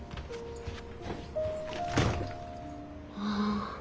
ああ。